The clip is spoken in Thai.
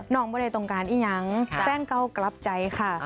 น้องปล่อยตรงกานอี้งั้งแฟร่งเก้ากลับใจค่ะ